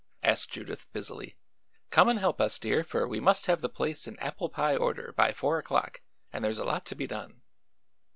asked Judith busily. "Come and help us, dear, for we must have the place in apple pie order by four o'clock, and there's a lot to be done."